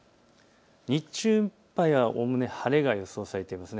日中いっぱいはおおむね晴れが予想されています。